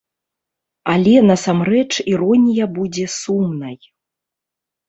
Але насамрэч іронія будзе сумнай.